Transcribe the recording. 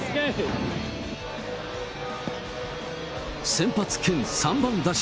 先発兼３番打者。